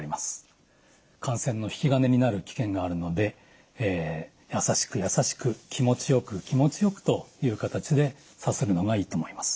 感染の引き金になる危険があるのでやさしくやさしく気持ちよく気持ちよくという形でさするのがいいと思います。